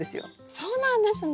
そうなんですね。